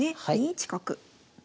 ２一角。